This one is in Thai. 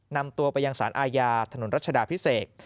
นำตัวไปยังสารอาญาถนนรัชดาพิเศษ